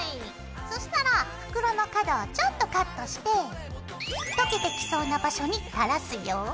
そしたら袋の角をちょっとカットして溶けてきそうな場所に垂らすよ。